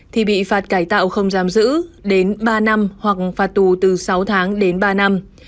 thì bị phạt cải tạo không giam giữ đến ba năm hoặc phạt tù từ sáu tháng đến ba năm